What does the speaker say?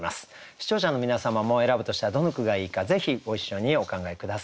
視聴者の皆様も選ぶとしたらどの句がいいかぜひご一緒にお考え下さい。